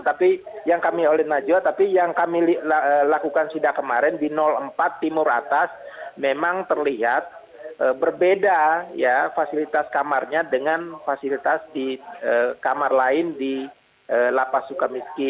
tapi yang kami oleh najwa tapi yang kami lakukan sidak kemarin di empat timur atas memang terlihat berbeda fasilitas kamarnya dengan fasilitas di kamar lain di lapas suka miskin